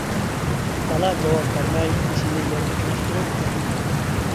بالا جاۋاب بەرمەي بېشىنى يەرگە ئېڭىشتۈرۈپ تۇردى.